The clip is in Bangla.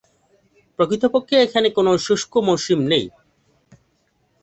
প্রকৃতপক্ষে এখানে কোনো শুষ্ক মৌসুম নেই।